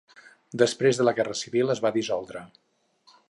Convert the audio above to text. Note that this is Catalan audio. Després de la guerra civil es va dissoldre.